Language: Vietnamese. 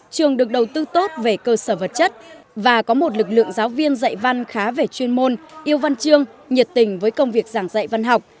trường được đầu tư tốt về cơ sở vật chất và có một lực lượng giáo viên dạy văn khá về chuyên môn yêu văn chương nhiệt tình với công việc giảng dạy văn học